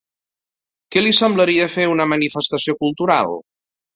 Què li semblaria fer una manifestació cultural?